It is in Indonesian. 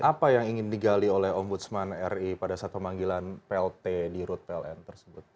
apa yang ingin digali oleh ombudsman ri pada saat pemanggilan plt di rut pln tersebut